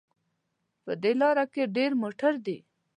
په دې لاره کې ډېر موټر دي